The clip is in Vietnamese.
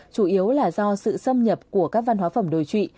chủ yếu là do sự xâm nhập của các văn hóa phẩm đồi trụy